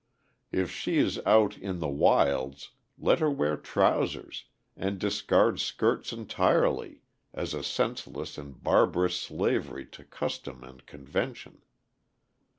If she is out "in the wilds," let her wear trousers and discard skirts entirely as a senseless and barbarous slavery to custom and convention.